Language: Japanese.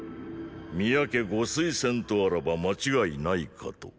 宮家ご推薦とあらば間違いないかと。